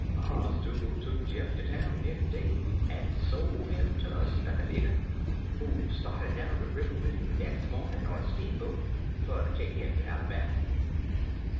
Mars' Dugal' tuk Jeff ter town nex' day en' sol' 'im ter a spekilater, who sta'ted down de ribber wid 'im nex' mawnin' on a steamboat, fer ter take 'im ter Alabama.